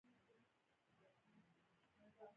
خور د خپلو خاطرو خزانه لري.